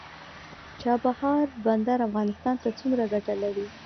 چابهار بندر افغانستان ته څومره ګټه لري؟